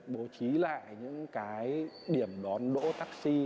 bố trí lại những điểm đón đỗ taxi